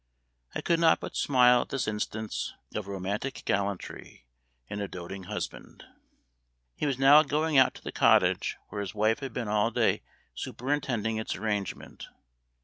I could not but smile at this instance of romantic gallantry in a doating husband. He was now going out to the cottage, where his wife had been all day superintending its arrangement.